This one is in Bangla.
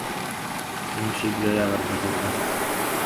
উম, শীঘ্রই আবার কথা বলা যাক।